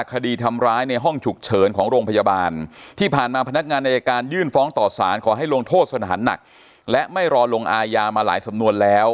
คดีทำร้ายในห้องฉุกเฉินของโรงพยาบาลที่ผ่านมาพนักงานอายการยื่นฟ้องต่อสารขอให้ลงโทษสถานหนักและไม่รอลงอายามาหลายสำนวนแล้ว